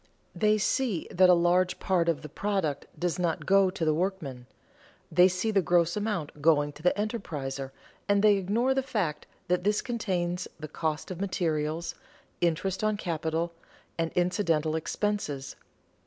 They see that a large part of the product does not go to the workmen; they see the gross amount going to the enterpriser, and they ignore the fact that this contains the cost of materials, interest on capital, and incidental expenses.